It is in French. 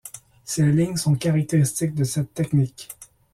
Ces lignes sont caractéristiques de cette technique.